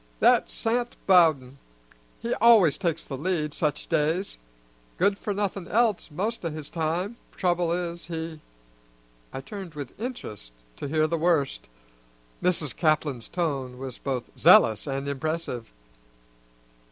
"That's Sant Bowden; he always takes the lead, such days. Good for nothing else most o' his time; trouble is, he" I turned with interest to hear the worst. Mrs. Caplin's tone was both zealous and impressive.